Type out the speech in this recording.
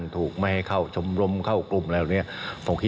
ถูกไม่ให้เข้าชมรมเข้ากลุ่มอะไรเนี่ย